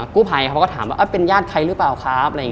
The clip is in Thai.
กู้ภัยเขาก็ถามว่าเป็นญาติใครหรือเปล่าครับ